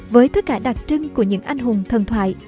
với tất cả đặc trưng của những anh hùng thần thoại